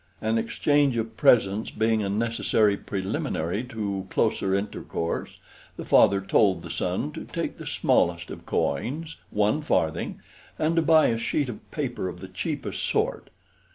An exchange of presents being a necessary preliminary to closer intercourse, the father told the son to take the smallest of coins, one farthing, and to buy a sheet of paper of the cheapest sort.